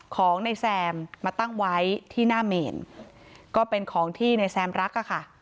ของนายแซมมาตั้งไว้ที่หน้าเมนก็เป็นของที่ในแซมรักอะค่ะ